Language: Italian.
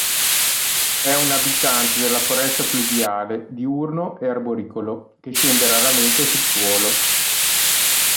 È un abitante della foresta pluviale, diurno e arboricolo, che scende raramente sul suolo.